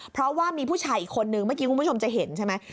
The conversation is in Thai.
เพราะว่ามีผู้ชายอีกคนนึงเมื่อกี้คุณผู้ชมจะเห็นใช่ไหม